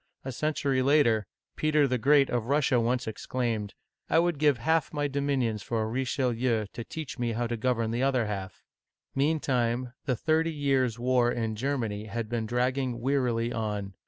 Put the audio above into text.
A century later, Peter the Great of Russia once exclaimed, " I would give half my dominions for a Richelieu to teach me how to govern the other half !" Meantime, the Thirty Years' War in Germany had been dragging wearily on.